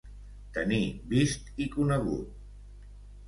Tenir vist i conegut.